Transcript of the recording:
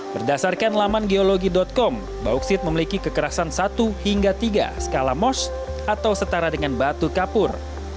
berdasarkan laman geologi com bauksit memiliki kekerasan satu hingga tiga skala most atau setara dengan batu kapur